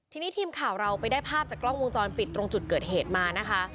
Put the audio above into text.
ทีนี้ทีมข่าวเราไปได้ภาพจากกล้องวงจรปิดตรงจุดเกิดเหตุมานะคะ